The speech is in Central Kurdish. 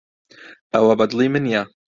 ئەوە بەدڵی من نییە.